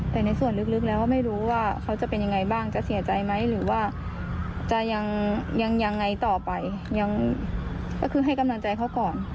แต่ในส่วนลึกแล้วไม่รู้ว่าเขาจะเป็นยังไงบ้างจะเสียใจไหมหรือว่าจะยังยังไงต่อไปยังก็คือให้กำลังใจเขาก่อน